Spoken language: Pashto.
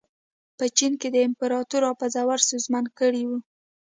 په چین کې د امپراتور راپرځول ستونزمن کړي وو.